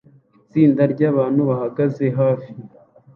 Itsinda ryabantu bahagaze hafi